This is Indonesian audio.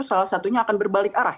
salah satunya akan berbalik arah